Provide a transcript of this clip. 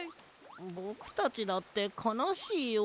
ぼくたちだってかなしいよ。